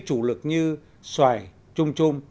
chủ lực như xoài trung trôm